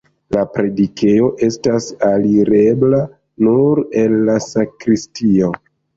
La predikejo estas alirebla nur el la sakristio.